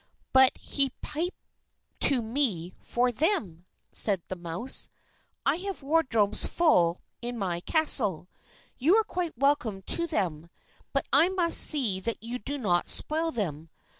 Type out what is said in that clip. "But he piped to me for them," said the mouse; "I have wardrobes full in my castle. You are quite welcome to them; but I must see that you do not spoil them.